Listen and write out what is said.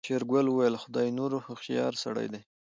شېرګل وويل خداينور هوښيار سړی دی.